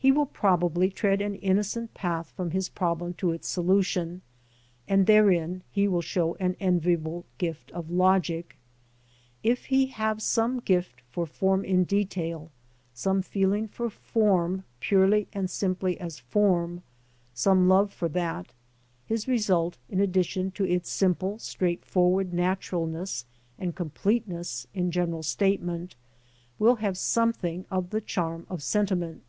He will probably tread an innocent path from his problem to its solution, and therein he will show an enviable gift of logic. If he have some gift for form in detail, some feeling for form purely and simply as form, some love for that, his result, in addition to its simple straightforward naturalness and completeness in general statement, will have some thing of the charm of sentiment.